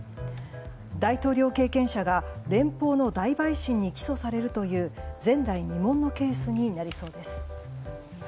大統領経験者が連邦の大陪審に起訴されるという前代未聞のケースになりそうです。